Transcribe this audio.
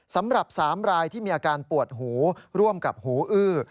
สำหรับ๓รายที่มีอาการปวดหูร่วมกับหูอื้อ